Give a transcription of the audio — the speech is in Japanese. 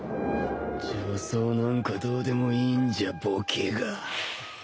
埆仿覆鵑どうでもいいんじゃボケが